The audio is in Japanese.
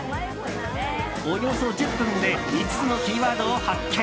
およそ１０分で５つのキーワードを発見。